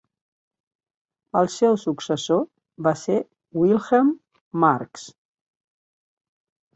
El seu successor va ser Wilhelm Marx.